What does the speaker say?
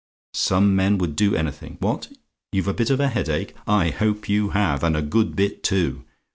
Some men would do anything. What? "YOU'VE A BIT OF A HEADACHE? "I hope you have and a good bit, too.